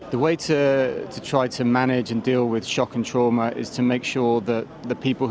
cara untuk menangani dan mengelola trauma dan terangkan adalah